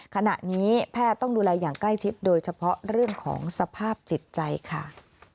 ขณะนี้แพทย์ต้องดูแลอย่างใกล้ชิดโดยเฉพาะเรื่องของสภาพจิตใจค่ะ